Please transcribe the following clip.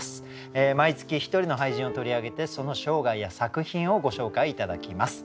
毎月１人の俳人を取り上げてその生涯や作品をご紹介頂きます。